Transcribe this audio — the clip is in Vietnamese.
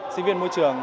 sinh viên môi trường